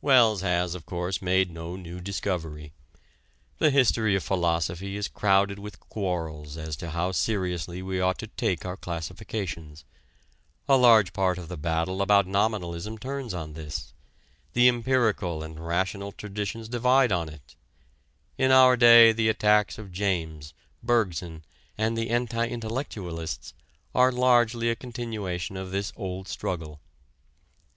Wells has, of course, made no new discovery. The history of philosophy is crowded with quarrels as to how seriously we ought to take our classifications: a large part of the battle about Nominalism turns on this, the Empirical and Rational traditions divide on it; in our day the attacks of James, Bergson, and the "anti intellectualists" are largely a continuation of this old struggle.